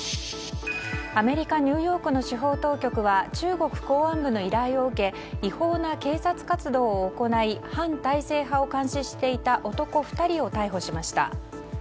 アメリカ・ニューヨークの司法当局は中国公安部の依頼を受け違法な警察活動を行い反体制派を監視していた男２人を逮捕しました。